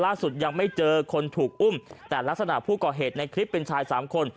ยังไม่เจอคนถูกอุ้มแต่ลักษณะผู้ก่อเหตุในคลิปเป็นชายสามคน